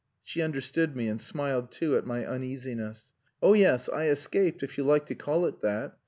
She understood me, and smiled too, at my uneasiness. "Oh yes! I escaped, if you like to call it that.